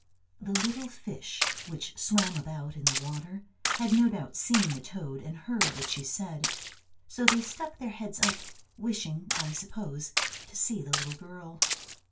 The little fish which swam about in the water, had no doubt seen the toad and heard what she said, so they stuck their heads up, wishing, I suppose, to see the little girl.